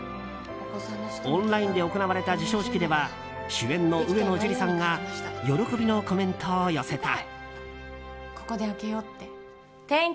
オンラインで行われた授賞式では主演の上野樹里さんが喜びのコメントを寄せた。